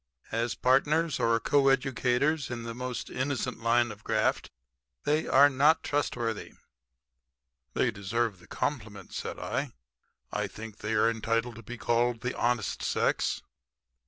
As partners or coeducators in the most innocent line of graft they are not trustworthy." "They deserve the compliment," said I. "I think they are entitled to be called the honest sex."